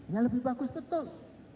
yang lebih bagus betul